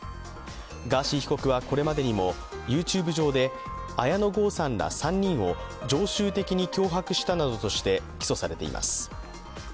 ガーシー被告はこれまでにもＹｏｕＴｕｂｅ上で綾野剛さんら３人を常習的に脅迫したなどとして起訴されています。